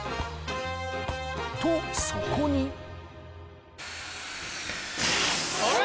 とそこにあれ！